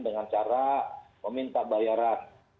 dengan cara meminta bayaran